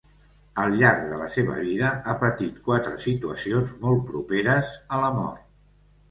Al llarg de la seva vida ha patit quatre situacions molt properes a la mort.